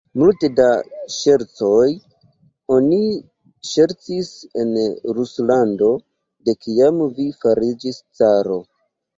Multe da ŝercoj oni ŝercis en Ruslando, de kiam vi fariĝis caro!